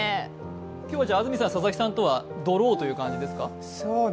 今日は安住さん、佐々木さんとはドローという感じですね。